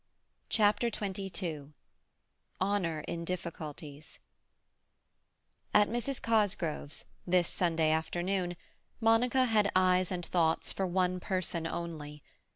CHAPTER XXII HONOUR IN DIFFICULTIES At Mrs. Cosgrove's, this Sunday afternoon, Monica had eyes and thoughts for one person only.